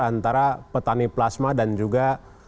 antara petani plasma dan juga